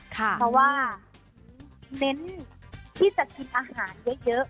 เพราะว่าเน้นที่จะกินอาหารเยอะ